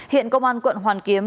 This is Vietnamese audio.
hiện công an quận hoàn kiếm